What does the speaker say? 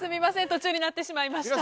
途中になってしまいました。